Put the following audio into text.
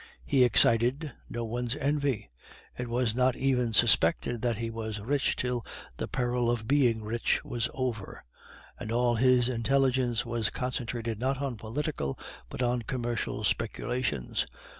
He excited no one's envy, it was not even suspected that he was rich till the peril of being rich was over, and all his intelligence was concentrated, not on political, but on commercial speculations.